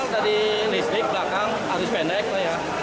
dari listrik belakang arus pendek lah ya